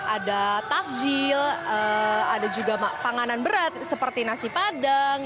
ada takjil ada juga panganan berat seperti nasi padang